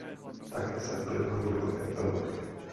Také se objevil v několika filmech.